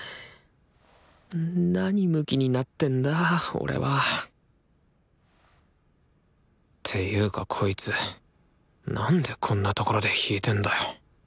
なにムキになってんだ俺はていうかこいつなんでこんな所で弾いてんだよ